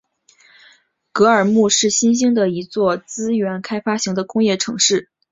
格尔木是新兴的一座资源开发型的工业城市。